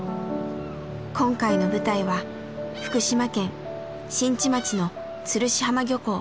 今回の舞台は福島県新地町の釣師浜漁港。